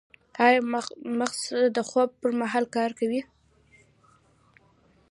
ایا مغز د خوب پر مهال کار کوي؟